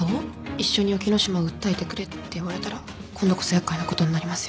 一緒に沖野島を訴えてくれって言われたら今度こそ厄介なことになりますよ。